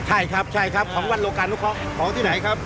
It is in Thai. ใช่ครับใช่ครับของวันโลกานุเคราะห์ของที่ไหนครับ